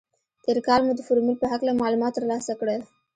تېر کال مو د فورمول په هکله معلومات تر لاسه کړل.